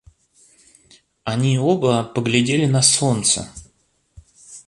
Они оба поглядели на солнце.